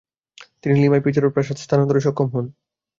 তিনি লিমায় পিজারো’র প্রাসাদ স্থানান্তরে সক্ষম হন।